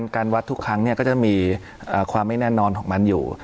การวัดทุกครั้งก็จะมีความไม่แน่นอนของมันอยู่